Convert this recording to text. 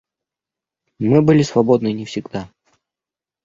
Мы были свободны не всегда.